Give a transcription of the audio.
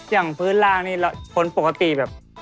อย่างพื้นล่างนี่คนปกติแบบ